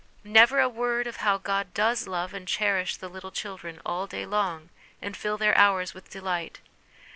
never a word of how God does love and cherish the little children all day long, and fill their hours with delight.